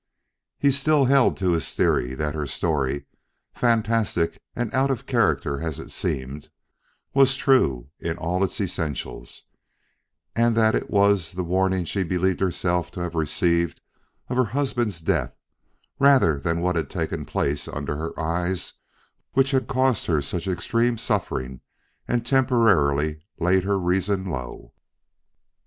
He still held to his theory that her story, fantastic and out of character as it seemed, was true in all its essentials, and that it was the warning she believed herself to have received of her husband's death, rather than what had taken place under her eyes, which had caused her such extreme suffering and temporarily laid her reason low.